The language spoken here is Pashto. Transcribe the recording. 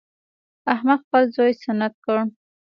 احمد خپل زوی سنت کړ.